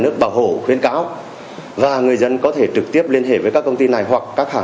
nước bảo hộ khuyến cáo và người dân có thể trực tiếp liên hệ với các công ty này hoặc các hàng